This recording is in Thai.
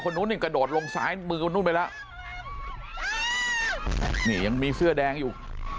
นู้นนี่กระโดดลงซ้ายมือคนนู้นไปแล้วนี่ยังมีเสื้อแดงอยู่